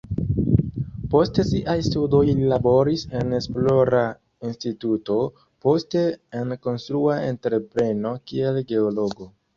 Post siaj studoj li laboris en esplora instituto, poste en konstrua entrepreno kiel geologo.